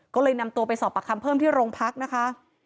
ก็เลยนำตัวไปสอบประคำเพิ่มที่โรงพักนะคะ